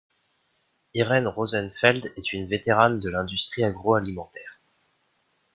Irene Rosenfeld est une vétérane de l'industrie agroalimentaire.